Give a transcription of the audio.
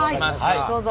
どうぞ。